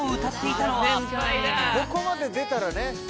ここまで出たらね。